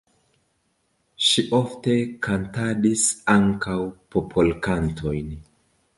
Ŝi ofte kantadis ankaŭ popolkantojn.